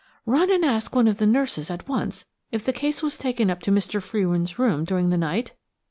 "Run and ask one of the nurses at once if the case was taken up to Mr. Frewin's room during the night?"